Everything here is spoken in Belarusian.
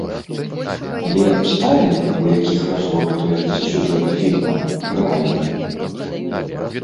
Але абставіны, у якіх разгортваецца сюжэт фільма, рэальныя.